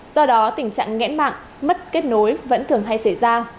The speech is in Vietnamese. do đó tình trạng nghẽn mạng mất kết nối vẫn thường hay xảy ra